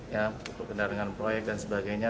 ya pengendarahan proyek dan sebagainya